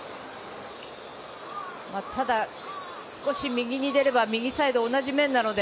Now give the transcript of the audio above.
ただ、少し右に出れば右サイド同じ面なので。